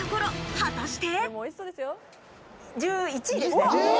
果たして。